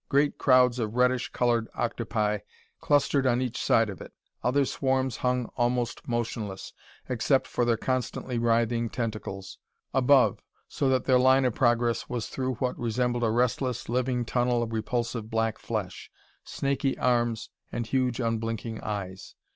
Great crowds of reddish colored octopi clustered on each side of it; other swarms hung almost motionless except for their constantly writhing tentacles above, so that their line of progress was through what resembled a restless, living tunnel of repulsive black flesh, snaky arms and huge, unblinking eyes.